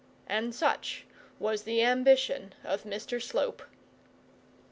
And such was the ambition of Mr Slope.